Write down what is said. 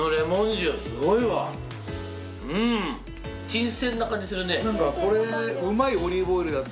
新鮮な感じするね。